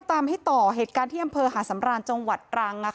ตามให้ต่อเหตุการณ์ที่อำเภอหาสำราญจังหวัดตรัง